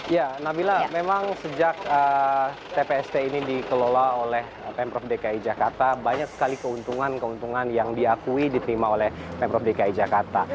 ya nabila memang sejak tpst ini dikelola oleh pemprov dki jakarta banyak sekali keuntungan keuntungan yang diakui diterima oleh pemprov dki jakarta